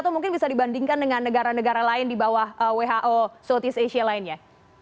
atau mungkin bisa dibandingkan dengan negara negara lain di bawah who southeast asia lainnya